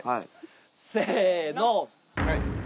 せの。